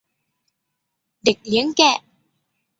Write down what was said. เด็กเลี้ยงแกะ